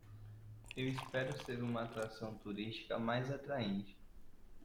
Eu espero ser uma atração turística mais atraente